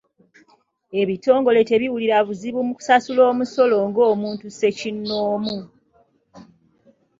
Ebitongole tebiwulira buzibu mu kusasula omusolo nga omuntu sekinnoomu.